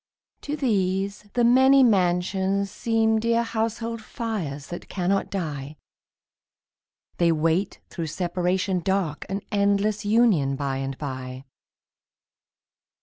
To these the many mansions seem Dear household fires that cannot die; They wait through separation dark An endless union by and by.